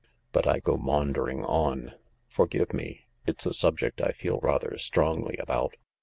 But I go maundering on. Forgive me. It's a subject I feel rather strongly about."